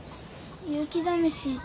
勇気試し